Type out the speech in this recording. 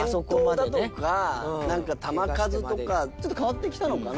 連投だとか球数とかちょっと変わってきたのかな？